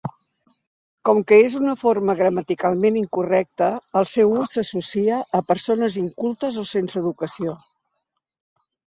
Com que és una forma gramaticalment incorrecta, el seu ús s'associa a persones incultes o sense educació.